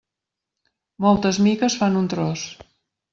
Moltes miques fan un tros.